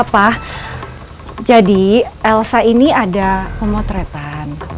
papa jadi elsa ini ada pemotretan